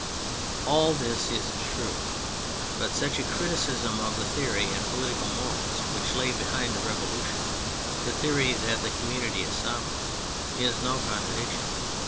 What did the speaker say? All this is true : but such a criticism of the theory in political morals which lay behind the Revolution, the theory that the community is sovereign, is no contradiction.